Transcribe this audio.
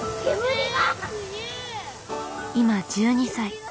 今１２歳。